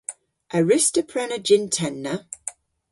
A wruss'ta prena jynn-tenna?